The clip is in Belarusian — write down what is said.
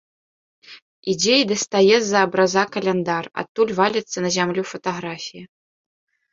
Ідзе і дастае з-за абраза каляндар, адтуль валіцца на зямлю фатаграфія.